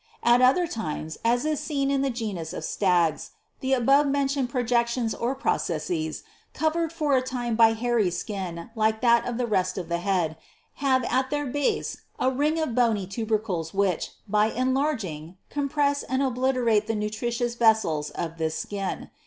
24. At other times, as is seen in the genus of STAGS,. the above mentioned projections or processes, covered for a time by hairy skin like that of the rest of the head, have at their base a ring of bony tubercles which, by enlarging, compress and obliterate the nutritious vessels of this skin.